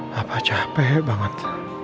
papa capek banget